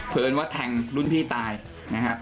เผลอเรียนว่าแทงรุ่นพี่ตายนะครับ